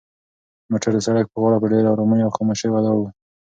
موټر د سړک په غاړه په ډېرې ارامۍ او خاموشۍ ولاړ و.